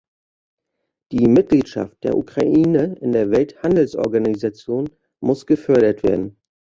Die Mitgliedschaft der Ukraine in der Welthandelsorganisation muss gefördert werden.